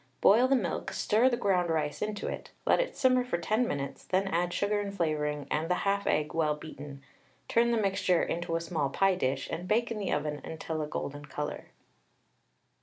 Boil the milk, stir the ground rice into it; let it simmer for 10 minutes, then add sugar and flavouring and the 1/2 egg well beaten; turn the mixture into a small pie dish, and bake in the oven until a golden colour.